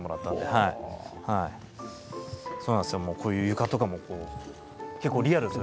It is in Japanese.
こういう床とかも結構リアルですよね。